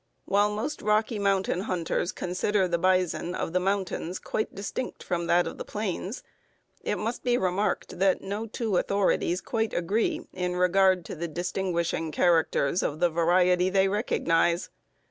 While most Rocky Mountain hunters consider the bison of the mountains quite distinct from that of the plains, it must be remarked that no two authorities quite agree in regard to the distinguishing characters of the variety they recognize.